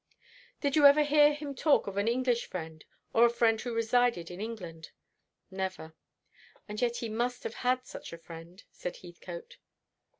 "Did you ever hear him talk of an English friend, or a friend who resided in England?" "Never." "And yet he must have had such a friend," said Heathcote.